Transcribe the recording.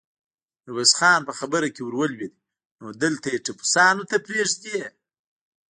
ميرويس خان په خبره کې ور ولوېد: نو دلته يې ټپوسانو ته پرېږدې؟